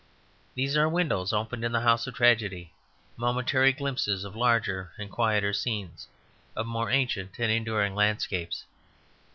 These are windows opened in the house of tragedy; momentary glimpses of larger and quieter scenes, of more ancient and enduring landscapes.